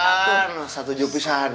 hah satu jub pisan